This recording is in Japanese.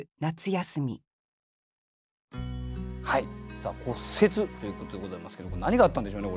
さあ「骨折」ということでございますけど何があったんでしょうね